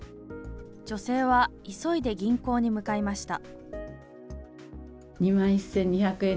女性は急いで銀行に向かいました。